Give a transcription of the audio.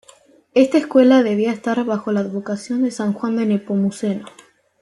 Esta escuela debía estar bajo la advocación de San Juan de Nepomuceno.